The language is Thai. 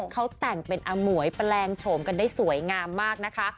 เขาแต่งเป็นอมวยแปลงโฉมกันได้สวยงามมากนะคะ